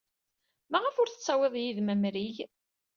Maɣef ur tettawyeḍ yid-m amrig?